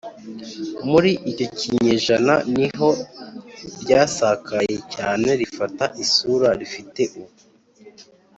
muri icyo kinyejana niho ryasakaye cyane rifata isura rifite ubu